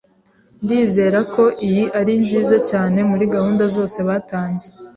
Ndizera ko iyi ari nziza cyane muri gahunda zose batanze.